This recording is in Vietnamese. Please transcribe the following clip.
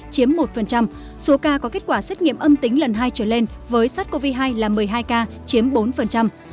chiếm một số ca có kết quả xét nghiệm âm tính lần hai trở lên với sars cov hai là một mươi hai ca chiếm bốn